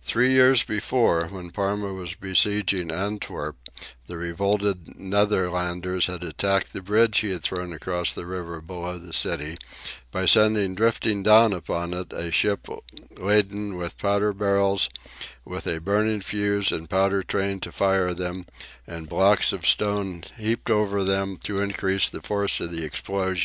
Three years before, when Parma was besieging Antwerp, the revolted Netherlanders had attacked the bridge he had thrown across the river below the city by sending drifting down upon it a ship laden with powder barrels, with a burning fuse and powder train to fire them, and blocks of stone heaped over them to increase the force of the explosion.